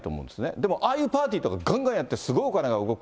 でも、ああいうパーティーとかがんがんやって、すごいお金が動く。